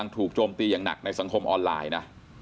โจมตีอย่างหนักในสังคมออนไลน์นะ